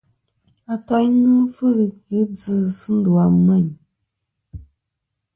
Atoynɨ fhɨ djɨ sɨ ndu a Meyn.